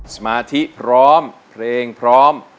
สมาธิพร้อมเพลงพร้อม